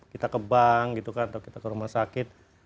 kita ke bank gitu kan atau kita ke rumah sakit